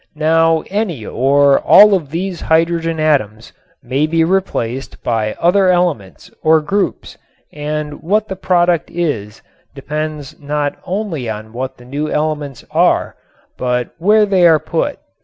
Now any or all these hydrogen atoms may be replaced by other elements or groups and what the product is depends not only on what the new elements are, but where they are put.